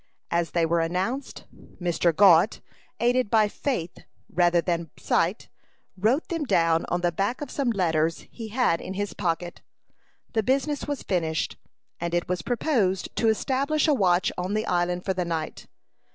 As they were announced, Mr. Gault, aided by faith rather than sight, wrote them down on the back of some letters he had in his pocket. The business was finished, and it was proposed to establish a watch on the island for the night.